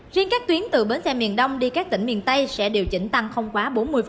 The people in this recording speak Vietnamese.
riêng các tuyến từ bến xe miền đông đi các tỉnh miền tây sẽ điều chỉnh tăng không quá bốn mươi